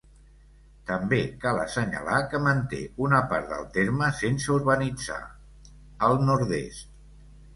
També cal assenyalar que manté una part del terme sense urbanitzar, al nord-est.